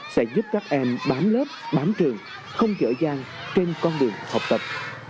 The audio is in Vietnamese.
sẽ giúp các em bám lớp bám trường không dở dàng trên con đường học tập